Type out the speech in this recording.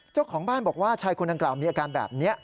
เจ้าของบ้านบอกว่าชายคนดังกล่าวมีอาการแบบนี้